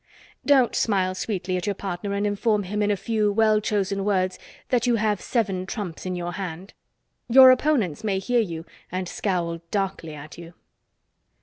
Don't smile sweetly your partner and inform him in a few well chosen words that you have seven trumps in your hand. Your opponents may hear you, and scowl darkly at you.